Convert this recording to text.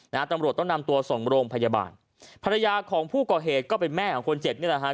ตำรวจต้องนำตัวส่งโรงพยาบาลภรรยาของผู้ก่อเหตุก็เป็นแม่ของคนเจ็บนี่แหละฮะ